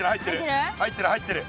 入ってる入ってる。